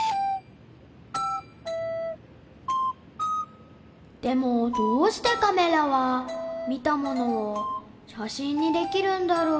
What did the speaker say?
心の声でもどうしてカメラは見たものを写真にできるんだろう？